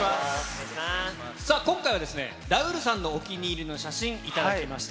さあ、今回はラウールさんのお気に入りの写真頂きました。